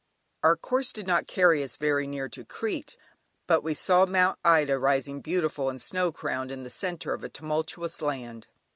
Our course did not carry us very near to Crete, but we saw Mount Ida rising beautiful and snow crowned in the centre of a tumultuous land.